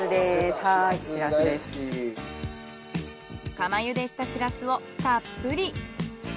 釜茹でしたシラスをたっぷり。